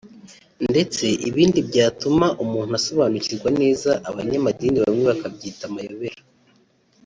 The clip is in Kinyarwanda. ndetse ibindi byatuma umuntu asobanukirwa neza abanyamadini bamwe bakabyita amayobera